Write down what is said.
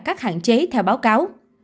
chế theo báo cáo